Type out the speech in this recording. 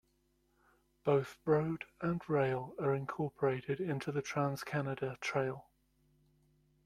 Both road and trail are incorporated into the Trans-Canada Trail.